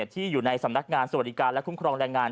ที่อยู่ในสำนักงานสวัสดิการและคุ้มครองแรงงาน